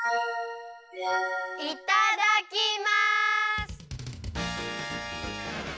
いただきます！